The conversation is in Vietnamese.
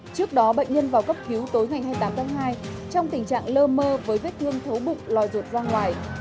trước đó bệnh nhân vào cấp cứu tối ngày hai mươi tám tháng hai trong tình trạng lơ mơ với vết thương thấu bụng lòi ruột ra ngoài